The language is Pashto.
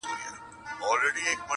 زموږ د سندرو د ښادیو وطن،